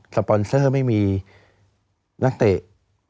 ปอนเซอร์ไม่มีนักเตะ